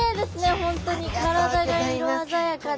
本当に体が色鮮やかで。